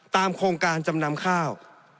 โครงการจำนำข้าว